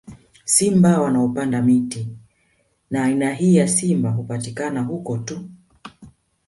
Simba wanaopanda miti na aina hii ya simba hupatikana huko tu